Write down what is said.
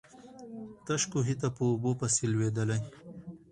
تش کوهي ته په اوبو پسي لوېدلی.